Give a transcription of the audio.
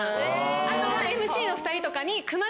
あとはＭＣの２人とかに。